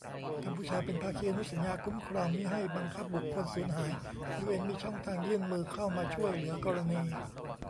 กัมพูชาเป็นภาคีอนุสัญญาคุ้มครองมิให้บังคับบุคคลสูญหาย ยูเอ็นมีช่องทางยื่นมือเข้ามาช่วยเหลือกรณี